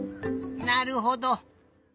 なるほど。